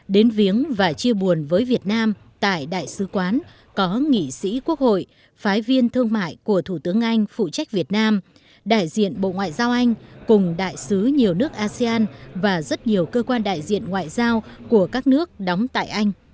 đến viếng và chia buồn với việt nam tại đại sứ quán có nghị sĩ quốc hội phái viên thương mại của thủ tướng anh phụ trách việt nam đại diện bộ ngoại giao anh cùng đại sứ nhiều nước asean và rất nhiều cơ quan đại diện ngoại giao của các nước đóng tại anh